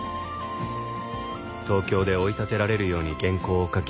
東京で追い立てられるように原稿を書き